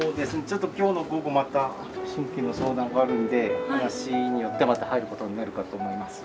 ちょっと今日の午後また新規の相談があるので話によってはまた入ることになるかと思います。